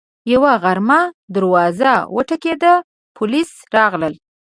یوه غرمه دروازه وټکېده، پولیس راغلل